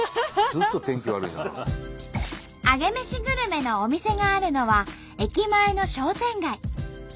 アゲメシグルメのお店があるのは駅前の商店街。